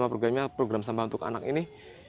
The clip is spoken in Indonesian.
programnya program sampah untuk anak ini